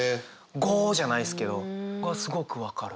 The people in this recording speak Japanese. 「ゴオ」じゃないですけどこれはすごく分かる。